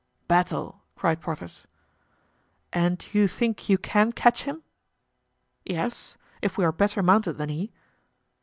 "Battle!" cried Porthos. "And you think you can catch him?" "Yes, if we are better mounted than he."